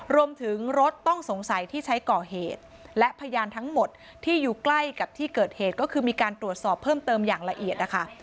รถต้องสงสัยที่ใช้ก่อเหตุและพยานทั้งหมดที่อยู่ใกล้กับที่เกิดเหตุก็คือมีการตรวจสอบเพิ่มเติมอย่างละเอียดนะคะ